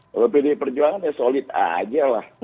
kalau pdi perjuangan ya solid aja lah